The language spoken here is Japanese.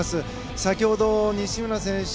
先ほど西村選手